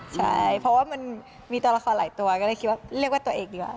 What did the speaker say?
ใช่เพราะว่ามันมีตัวละครหลายตัวก็เลยคิดว่าเรียกว่าตัวเองดีกว่า